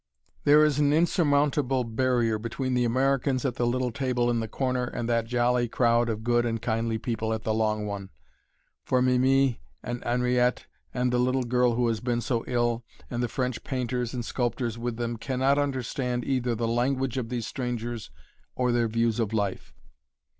There is an unsurmountable barrier between the Americans at the little table in the corner and that jolly crowd of good and kindly people at the long one, for Mimi and Henriette and the little girl who has been so ill, and the French painters and sculptors with them, cannot understand either the language of these strangers or their views of life.